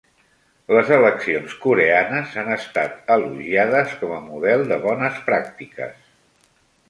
Les eleccions coreanes han estat elogiades com a model de bones pràctiques.